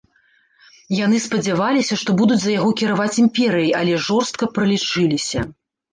Яны спадзяваліся, што будуць за яго кіраваць імперыяй, але жорстка пралічыліся.